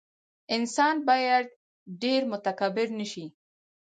انسان باید ډېر متکبر نه شي.